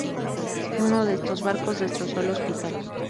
Uno de estos barcos destrozó el hospital.